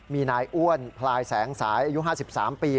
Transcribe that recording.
มีนายอ้วนพลายแสงสายอายุ๕๓ปี